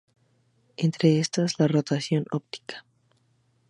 Entre estas, la rotación óptica.